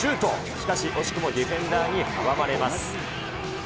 しかし惜しくもディフェンダーに阻まれます。